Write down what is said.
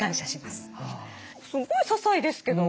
すごいささいですけど。